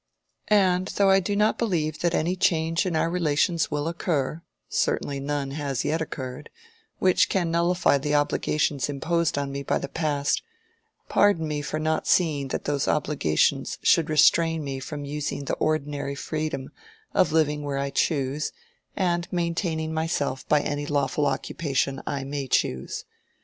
And though I do not believe that any change in our relations will occur (certainly none has yet occurred) which can nullify the obligations imposed on me by the past, pardon me for not seeing that those obligations should restrain me from using the ordinary freedom of living where I choose, and maintaining myself by any lawful occupation I may choose.